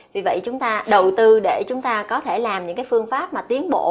vì vậy chúng ta đầu tư để chúng ta có thể làm những cái phương pháp mà tiến bộ